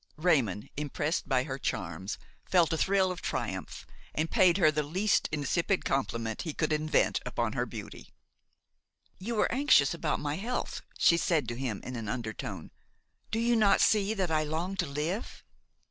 Raymon, impressed by her charms, felt a thrill of triumph and paid her the least insipid compliment he could invent upon her beauty. "You were anxious about my health," she said to him in an undertone; "do you not see that I long to live?"